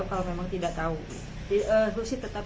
sesuai dengan sesuatu munhozen ray